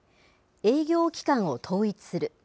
営業期間を統一する。